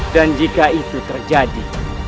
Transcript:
dan jika itu terjadi